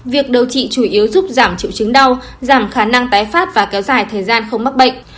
việc điều trị chủ yếu giúp giảm triệu chứng đau giảm khả năng tái phát và kéo dài thời gian không mắc bệnh